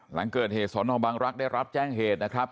หลังเกิดเหตุสนบังรักษ์ได้รับแจ้งเหตุนะครับ